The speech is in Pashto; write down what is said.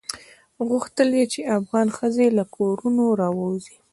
غوښتل یې افغان ښځې له کورونو راووزي.